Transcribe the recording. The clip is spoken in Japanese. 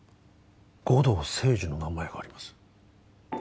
護道清二の名前があります